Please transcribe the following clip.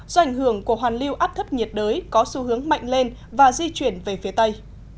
do ảnh hưởng của hoàn lưu áp thấp nhiệt đới có xu hướng mạnh lên và di chuyển về phía tây